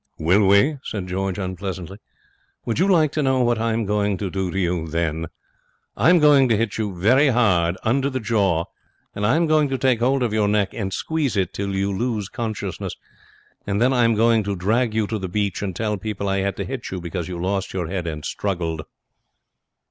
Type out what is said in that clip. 'Will we?' said George, unpleasantly. 'Would you like to know what I'm going to do to you, then? I'm going to hit you very hard under the jaw, and I'm going to take hold of your neck and squeeze it till you lose consciousness, and then I'm going to drag you to the beach and tell people I had to hit you because you lost your head and struggled.'